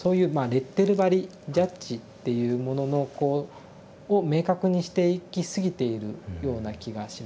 レッテル貼りジャッジっていうもののこうを明確にしていきすぎているような気がします。